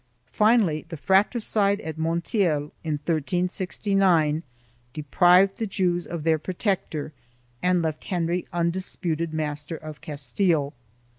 Finally the fratricide at Montiel, in 1369, deprived the Jews of their protector and left Henry undisputed master of Cas tile.